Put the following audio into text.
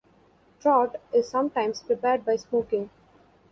Trout is sometimes prepared by smoking.